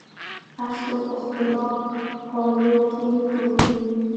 هر څوک به خپلو حولو کي ډوب وي